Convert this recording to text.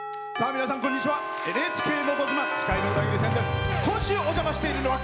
皆さん、こんにちは。